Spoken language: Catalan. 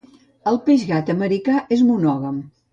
El peix gat americà és monògam.